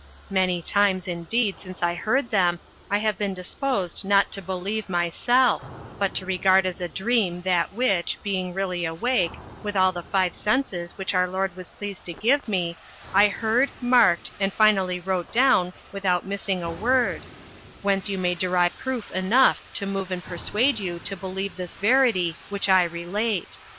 Many times, indeed, since I heard them I have been disposed not to believe myself, but to regard as a dream that which, being really awake, with all the five senses which our Lord was pleased to give me, I heard, marked, and finally wrote down without missing a word; whence you may derive proof enough to move and persuade you to believe this verity which I relate.